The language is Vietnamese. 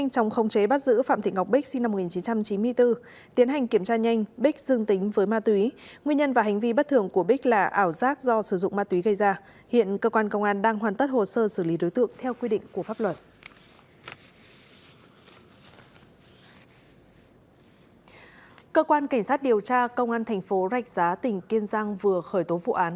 cơ quan cảnh sát điều tra công an thành phố rạch giá tỉnh kiên giang vừa khởi tố vụ án